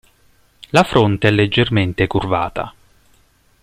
La fronte è leggermente curvata.